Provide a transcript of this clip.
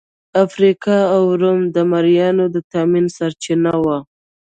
افریقا او روم د مریانو د تامین سرچینه وه.